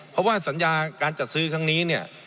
เพราะว่าสัญญาการจัดซื้อครั้งนี้เนี่ย